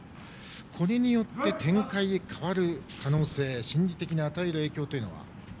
これによって展開が変わる可能性心理的に与える影響は。